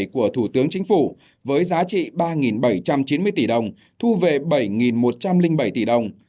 của thủ tướng chính phủ với giá trị ba bảy trăm chín mươi tỷ đồng thu về bảy một trăm linh bảy tỷ đồng